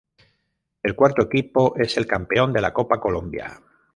El cuarto equipo es el campeón de la Copa Colombia.